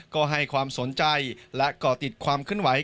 ก็ให้ความสนใจและก่อติดความขึ้นไหว